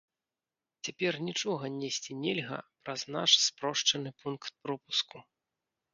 Цяпер нічога несці нельга праз наш спрошчаны пункт пропуску.